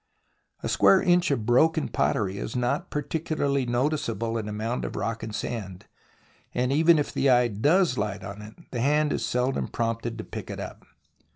A square inch of broken pottery is not particularly noticeable in a mound of rock and sand, and even if the eye does Hght on it the hand is seldom prompted to pick it up.